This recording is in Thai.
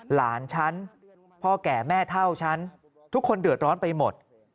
หลานฉันพ่อแก่แม่เท่าฉันทุกคนเดือดร้อนไปหมด